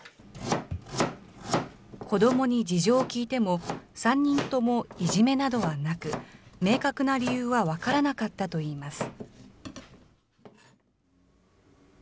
子どもに事情を聞いても、３人ともいじめなどはなく、明確な理由は分からなかったといいます。